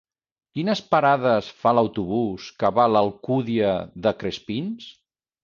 Quines parades fa l'autobús que va a l'Alcúdia de Crespins?